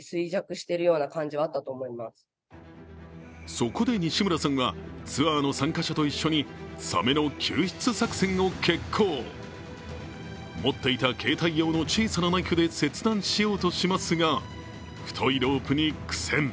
そこで西村さんはツアーの参加者と一緒にサメの救出作戦を決行持っていた携帯用の小さなナイフで切断しようとしますが太いロープに苦戦。